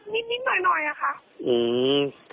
นี่โพสต์เน็ตนิดหน่อยอะค่ะ